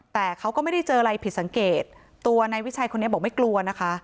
แต่เขาก็ไม่ได้เจออะไรผิดสังเกตตัวนายวิชัยคนนี้บอกไม่กลัวนะคะ